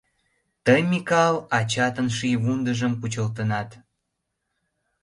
Тый, Микал, ачатын шийвундыжым кучылтынат.